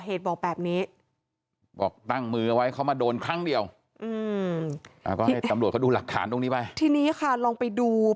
หรือก็ทันผมมือไว้เข้ามาโดนครั้งเดียวก็ให้ตำรวจดูหลักฐานตรงนี้ไป